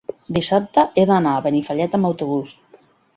dissabte he d'anar a Benifallet amb autobús.